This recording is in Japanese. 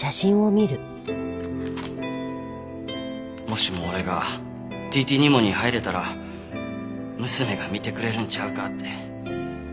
もしも俺がＴＴ−Ｎｉｍｏに入れたら娘が見てくれるんちゃうかって。